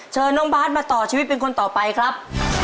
เชิญน้องบาทมาต่อชีวิตเป็นคนต่อไปครับ